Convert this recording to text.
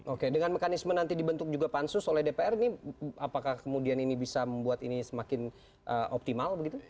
oke dengan mekanisme nanti dibentuk juga pansus oleh dpr ini apakah kemudian ini bisa membuat ini semakin optimal begitu